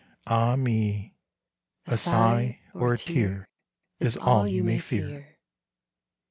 ah me! A sigh or a tear Is all you may fear.